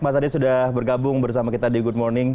mas adi sudah bergabung bersama kita di good morning